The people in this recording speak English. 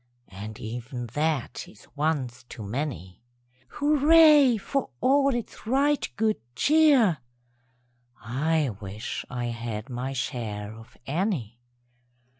(And even that is once too many;) Hurrah for all its right good cheer! (_I wish I had my share of any!